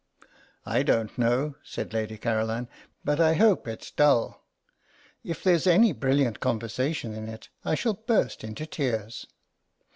"I don't know," said Lady Caroline, "but I hope it's dull. If there is any brilliant conversation in it I shall burst into tears."